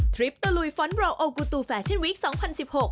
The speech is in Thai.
ทริปตะลุยฟ้อนต์บราวโอกูตุแฟชั่นวิค๒๐๑๖